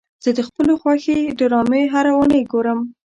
زه د خپلو خوښې ډرامې هره اونۍ ګورم.